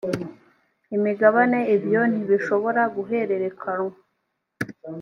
imigabane ibyo ntibishobora guhererekanywa